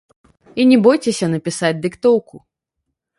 І не бойцеся напісаць дыктоўку.